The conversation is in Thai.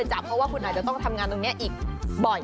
จับเพราะว่าคุณอาจจะต้องทำงานตรงนี้อีกบ่อย